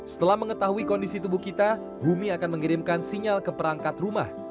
setelah mengetahui kondisi tubuh kita humi akan mengirimkan sinyal ke perangkat rumah